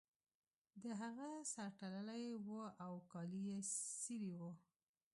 د هغه سر تړلی و او کالي یې څیرې وو